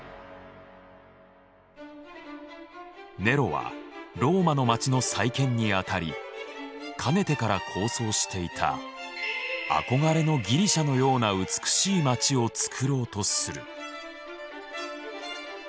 ネロはローマの街の再建にあたりかねてから構想していた憧れのギリシャのような美しい街をつくろうとする。